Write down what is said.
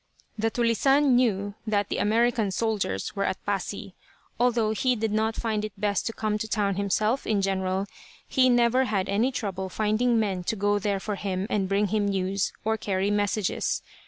The "tulisane" knew that the American soldiers were at Pasi. Although he did not find it best to come to town himself, in general, he never had any trouble finding men to go there for him, and bring him news, or carry messages.